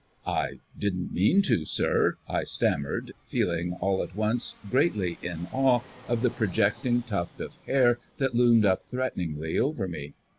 "I didn't mean to, sir," I stammered, feeling all at once greatly in awe of the projecting tuft of hair that loomed up threateningly over me.